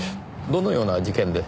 どのような事件で？